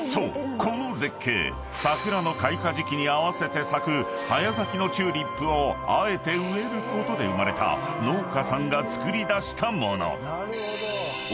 この絶景桜の開花時期に合わせて咲く早咲きのチューリップをあえて植えることで生まれた農家さんがつくり出したもの］